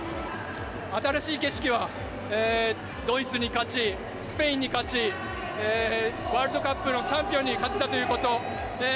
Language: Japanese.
新しい景色は、ドイツに勝ち、スペインに勝ち、ワールドカップのチャンピオンに勝てたということ。